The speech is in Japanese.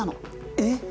えっ！